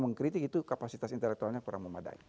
mengkritik itu kapasitas intelektualnya kurang memadai